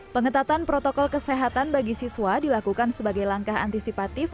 pengetatan protokol kesehatan bagi siswa dilakukan sebagai langkah antisipatif